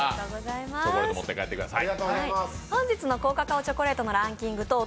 チョコレート、持って帰ってください。